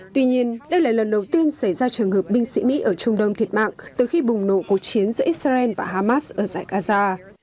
tuy nhiên đây là lần đầu tiên xảy ra trường hợp binh sĩ mỹ ở trung đông thiệt mạng từ khi bùng nổ cuộc chiến giữa israel và hamas ở giải gaza